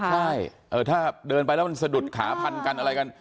ใช่ถ้าเดินไปแล้วมันสะดุดขาพันกันอะไรกัน